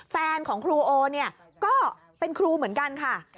แฟนของครูโอเนี่ยก็เป็นครูเหมือนกันค่ะ